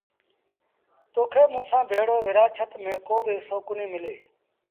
تو کي موٚنٚ سآݩٚ ڀيڙو ورآڇت ميݩ ڪو با هسو ڪونهيٚ ملي۔